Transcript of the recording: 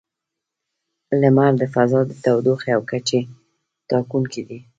• لمر د فضا د تودوخې او کچې ټاکونکی دی.